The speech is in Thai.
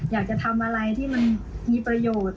อยากจะทำอะไรที่มันมีประโยชน์